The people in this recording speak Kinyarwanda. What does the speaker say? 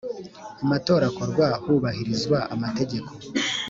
amatora akorwa hubahirizwa amategeko.